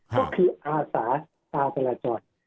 ก็คืออาสาตาสละจอด